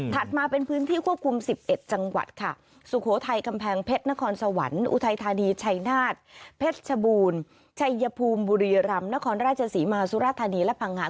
มาเป็นพื้นที่ควบคุม๑๑จังหวัดค่ะสุโขทัยกำแพงเพชรนครสวรรค์อุทัยธานีชัยนาฏเพชรชบูรณ์ชัยภูมิบุรีรำนครราชศรีมาสุรธานีและพังงาน